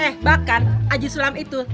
eh bahkan aji sulam itu